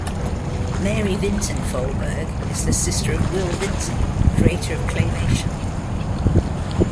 Mary Vinton Folberg is the sister of Will Vinton, creator of Claymation.